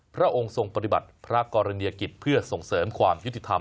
พระองค์ทรงปฏิบัติพระกรณียกิจเพื่อส่งเสริมความยุติธรรม